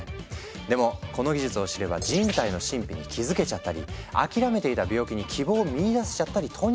でもこの技術を知れば人体の神秘に気付けちゃったり諦めていた病気に希望を見いだせちゃったりとにかく世界の見え方が変わっちゃうっていう話なんですよ。